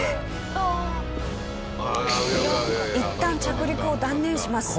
いったん着陸を断念します。